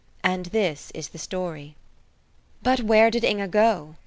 And this is the story. But where did Inge go?